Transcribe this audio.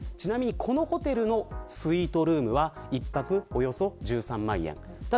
このホテルのスイートルームは１泊およそ１３万円です。